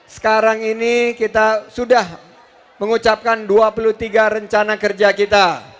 sekarang ini kita sudah mengucapkan dua puluh tiga rencana kerja kita